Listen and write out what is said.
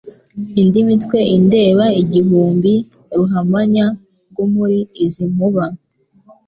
Indi mitwe indeba igihumbi, Ruhamanya rwo muli izi nkuba,